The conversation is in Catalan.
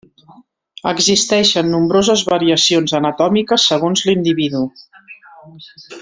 Existeixen nombroses variacions anatòmiques segons l'individu.